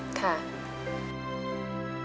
ค่ะ